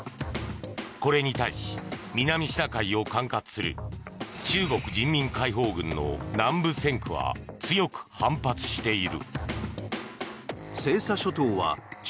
これに対し、南シナ海を管轄する中国人民解放軍の南部戦区は強く反発している。